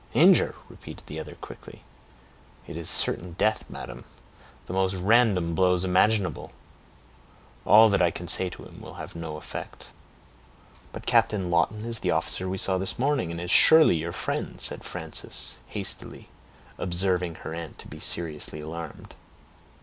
"Injure!" repeated the other quickly. "It is certain death, madam; the most random blows imaginable; all that I can say to him will have no effect." "But Captain Lawton is the officer we saw this morning, and is surely your friend," said Frances, hastily, observing her aunt to be seriously alarmed.